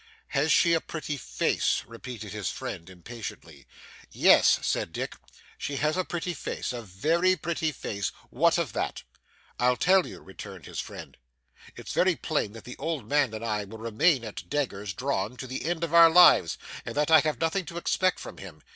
'Has she a pretty face,' repeated his friend impatiently. 'Yes,' said Dick, 'she has a pretty face, a very pretty face. What of that?' 'I'll tell you,' returned his friend. 'It's very plain that the old man and I will remain at daggers drawn to the end of our lives, and that I have nothing to expect from him.